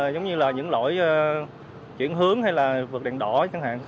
giống như là những lỗi chuyển hướng hay là vượt đèn đỏ chẳng hạn